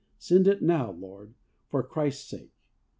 Send it now, Lord, for Christ's sake